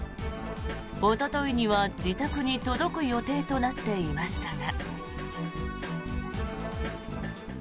おとといには自宅に届く予定となっていましたが。